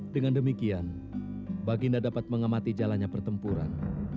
dengan demikian baginda dapat mengamati jalannya pertempuran